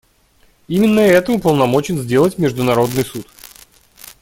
Именно это уполномочен сделать Международный Суд.